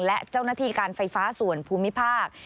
และเจ้าหน้าที่การไฟฟ้าส่วนภูมิภาค